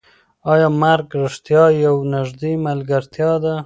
ایا مرګ رښتیا یوه نږدې ملګرتیا ده؟